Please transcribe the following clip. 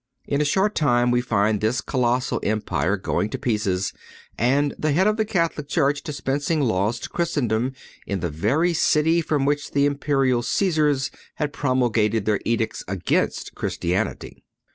In a short time we find this colossal Empire going to pieces, and the Head of the Catholic Church dispensing laws to Christendom in the very city from which the imperial Cæsars had promulgated their edicts against Christianity!